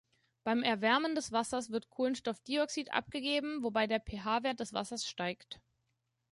Beim Erwärmen des Wassers wird Kohlenstoffdioxid abgegeben, wobei der pH-Wert des Wassers steigt.